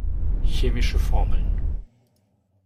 Chemische Formeln